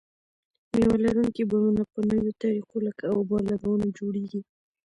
مېوه لرونکي بڼونه په نویو طریقو لکه اوبه لګونه جوړیږي.